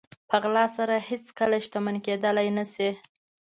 په غلا سره هېڅکله شتمن کېدلی نه شئ.